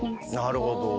なるほど。